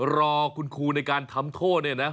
รอคุณครูในการทำโทษเนี่ยนะ